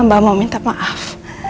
mbak mau minta maaf